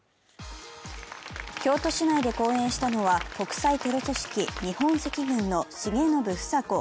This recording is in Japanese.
京都市内で講演したのは国際テロ組織、日本赤軍の重信房子